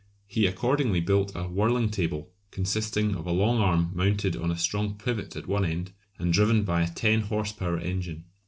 He accordingly built a "whirling table," consisting of a long arm mounted on a strong pivot at one end, and driven by a 10 horse power engine.